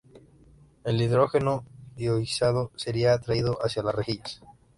El hidrógeno ionizado sería atraído hacia las rejillas.